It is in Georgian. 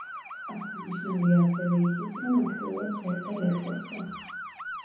აღსანიშნავია ასევე ისიც, რომ აქტიურად წერდა ლექსებსა.